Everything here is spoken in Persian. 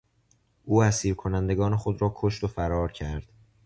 او اسیر کنندگان خود را کشت و فرار کرد.